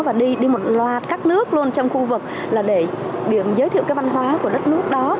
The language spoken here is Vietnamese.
và đi một loạt các nước luôn trong khu vực là để giới thiệu cái văn hóa của đất nước đó